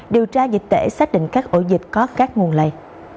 điều tra dịch tễ xác định các ổ dịch có các nguồn lây